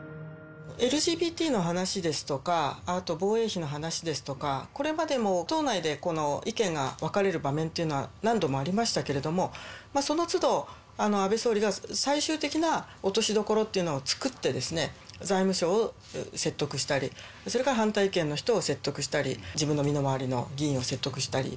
ＬＧＢＴの話ですとか、あと、防衛費の話ですとか、これまでも党内で意見が分かれる場面というのは何度もありましたけれども、そのつど安倍総理が最終的な落としどころっていうのを作って、財務省を説得したり、それから反対意見の人を説得したり、自分の身の回りの議員を説得したり。